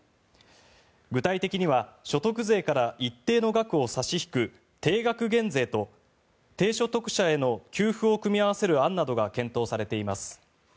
具体的には、所得税から一定の額を差し引く定額減税と低所得者への給付を組み合わせる案などが検討されています。